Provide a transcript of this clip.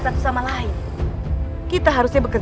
fikir hal teruk manapun